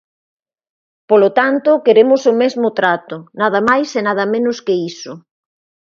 Polo tanto, queremos o mesmo trato, nada máis e nada menos que iso.